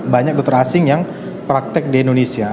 banyak dokter asing yang praktek di indonesia